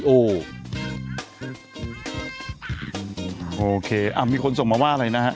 โอเคมีคนส่งมาว่าอะไรนะฮะ